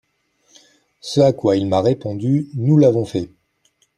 Ce à quoi il m’a répondu, nous l’avons fait.